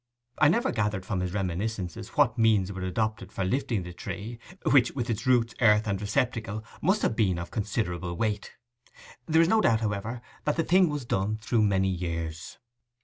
I never gathered from his reminiscences what means were adopted for lifting the tree, which, with its roots, earth, and receptacle, must have been of considerable weight. There is no doubt, however, that the thing was done through many years.